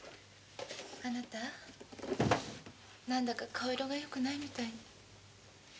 あなた何だか顔色が良くないみたい。